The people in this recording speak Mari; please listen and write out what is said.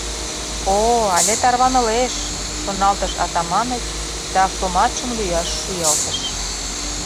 «О-о, але тарванылеш» — шоналтыш Атаманыч да автоматшым лӱяш шуялтыш.